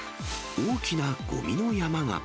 大きなごみの山が。